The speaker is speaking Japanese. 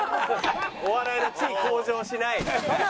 お笑いの地位向上しない。